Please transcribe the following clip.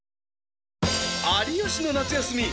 「有吉の夏休み」